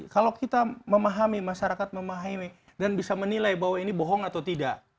kalau kita memahami masyarakat memahami dan bisa menilai bahwa ini bohong atau tidak